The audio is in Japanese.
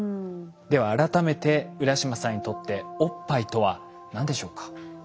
では改めて浦島さんにとっておっぱいとは何でしょうか？